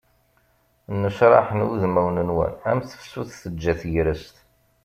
Necraḥen wudmawen-nwen, am tefsut teǧǧa tegrest.